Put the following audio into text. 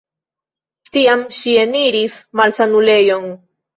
Tiam ŝi eniris malsanulejon.